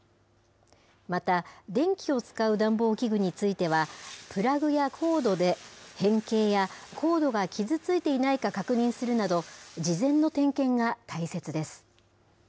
また電気を使う暖房器具については、ついては、プラグやコードで変形やコードが傷ついていないか確認するなど、事前の点検が大切です。